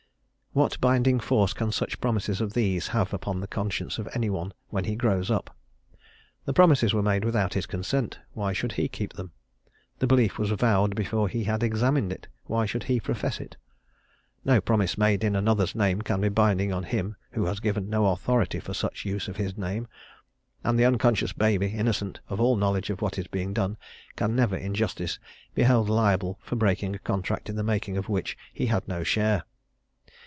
What binding force can such promises as these have upon the conscience of anyone when he grows up? The promises were made without his consent; why should he keep them? The belief was vowed before he had examined it; why should he profess it? No promise made in another's name can be binding on him who has given no authority for such use of his name, and the unconscious baby, innocent of all knowledge of what is being done, can never, in justice, be held liable for breaking a contract in the making of which he had no share.